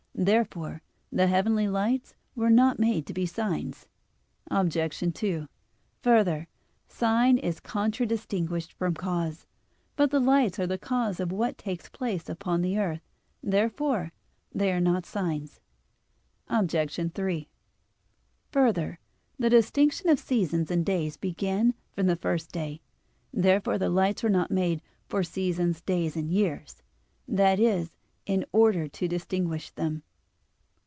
Therefore the heavenly lights were not made to be signs. Obj. 2: Further, sign is contradistinguished from cause. But the lights are the cause of what takes place upon the earth. Therefore they are not signs. Obj. 3: Further, the distinction of seasons and days began from the first day. Therefore the lights were not made "for seasons, and days, and years," that is, in order to distinguish them.